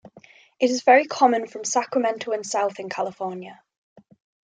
It is very common from Sacramento and south in California.